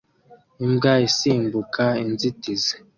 Imbwa isimbuka inzitizi